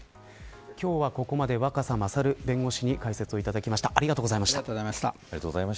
今日はここまで若狭勝弁護士に解説をいただきました。